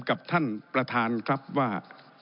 กับท่านประธานครับว่า